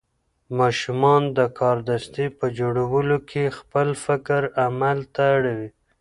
ماشومان د کاردستي په جوړولو کې خپل فکر عمل ته اړوي.